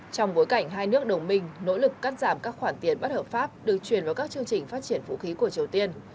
trong bối cảnh hai nước đồng minh nỗ lực cắt giảm các khoản tiền bất hợp pháp được truyền vào các chương trình phát triển vũ khí của triều tiên